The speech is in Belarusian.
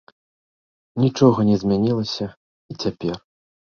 Нічога не змянілася і цяпер.